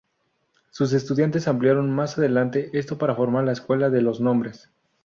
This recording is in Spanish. Sus estudiantes ampliaron más adelante esto para formar la Escuela de los Nombres.